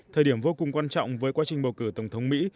thời điểm vô cùng quan trọng với quá trình bầu cử tổng thống mỹ